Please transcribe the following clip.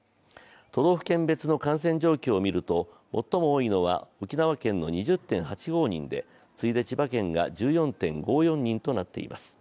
都道府県別の感染状況を見ると最も多いのは沖縄県の２０．８５人で次いで千葉県が１４．５４人となっています。